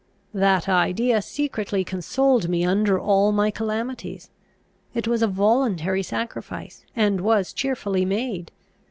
That idea secretly consoled me under all my calamities: it was a voluntary sacrifice, and was cheerfully made.